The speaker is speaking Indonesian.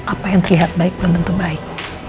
apa yang terlihat baik belum tentu baik